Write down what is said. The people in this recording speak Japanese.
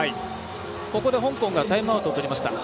ここで香港がタイムアウトをとりました。